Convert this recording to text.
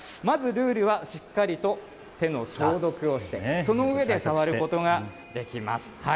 まずルールはしっかりと手の消毒をして、そのうえで触ることができます。